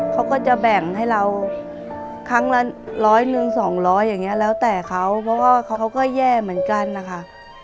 เขาก็จะแบ่งให้เราครั้งละร้อยหนึ่งสองร้อยอย่างนี้แล้วแต่เขาเพราะว่าเขาก็แย่เหมือนกันนะคะ